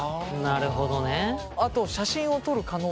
なるほどね。